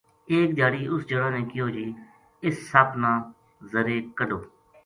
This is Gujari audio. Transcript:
ایک دھیاڑی اُس جنا نے کہیو جی اِس سپ نا زَرے کڈھُو